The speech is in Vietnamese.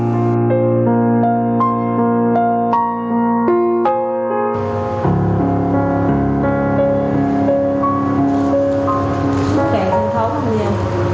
càng sân khấu hơn nha